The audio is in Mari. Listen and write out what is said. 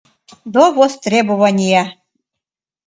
«До востребования».